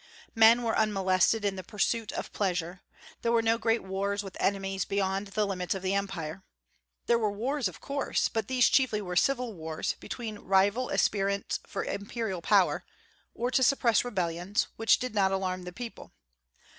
Men were unmolested in the pursuit of pleasure. There were no great wars with enemies beyond the limits of the Empire. There were wars of course; but these chiefly were civil wars between rival aspirants for imperial power, or to suppress rebellions, which did not alarm the people.